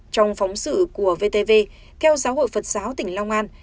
trong phóng sự của vtv theo giáo hội phật giáo tỉnh long an